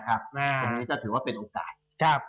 ตรงนี้ก็ถือว่าเป็นโอกาส